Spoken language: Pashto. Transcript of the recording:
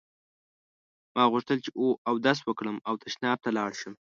ما غوښتل چې اودس وکړم او تشناب ته لاړ شم.